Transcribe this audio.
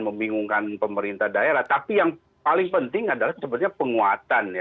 membingungkan pemerintah daerah tapi yang paling penting adalah sebenarnya penguatan ya